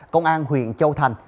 công an huyện châu thành